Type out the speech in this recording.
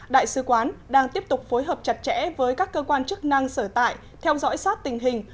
đại sứ quán đang tiếp tục phối hợp chặt chẽ với các cơ quan chức năng sở tại theo dõi sát tình hình